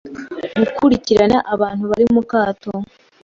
gukurikirana aba bantu bari mu kato,